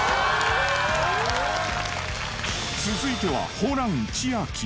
続いてはホラン千秋。